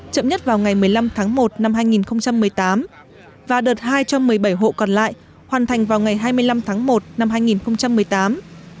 chậm nhất vào ngày một mươi năm tháng một năm hai nghìn một mươi tám và đợt hai cho một mươi bảy hộ còn lại hoàn thành vào ngày hai mươi năm tháng một năm hai nghìn một mươi tám